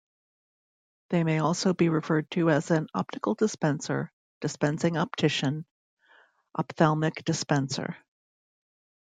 They may also be referred to as an "optical dispenser", "dispensing optician", "ophthalmic dispenser".